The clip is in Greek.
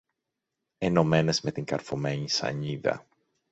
ενωμένες με την καρφωμένη σανίδα.